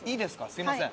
すいません。